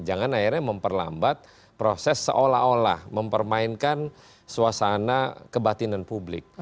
jangan akhirnya memperlambat proses seolah olah mempermainkan suasana kebatinan publik